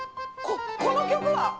ここの曲は！